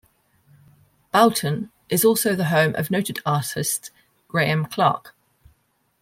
Boughton is also the home of noted artist, Graham Clarke.